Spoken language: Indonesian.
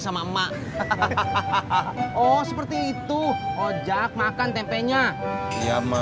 sama emak hahahahaha oh seperti itu ojak makan tempenya ya ma